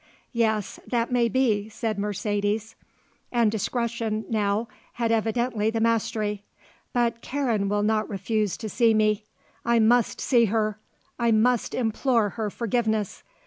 "Yes; that may be," said Mercedes, and discretion, now, had evidently the mastery; "but Karen will not refuse to see me. I must see her. I must implore her forgiveness.